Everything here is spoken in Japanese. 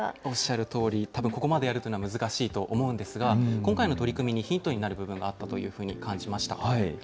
おっしゃるとおり、たぶんここまでやるというのは難しいと思うんですが、今回の取り組みに、ヒントになる部分があったというふうに感じました。